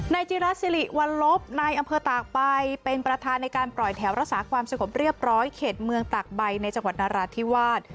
จิราสิริวัลลบนายอำเภอตากใบเป็นประธานในการปล่อยแถวรักษาความสงบเรียบร้อยเขตเมืองตากใบในจังหวัดนราธิวาส